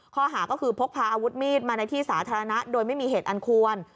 ข้อหาก็คือพกพาอาวุธมีดมาในที่สาธารณะโดยไม่มีเหตุอันควร